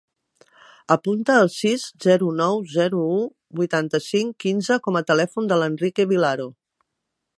Apunta el sis, zero, nou, zero, u, vuitanta-cinc, quinze com a telèfon de l'Enrique Vilaro.